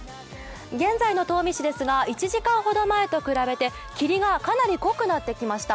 現在の東御市ですが１時間ほど前と比べて霧が濃くなってきました。